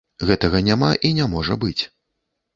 Гэтага няма і не можа быць.